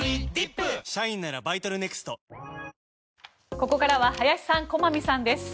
ここからは林さん、駒見さんです。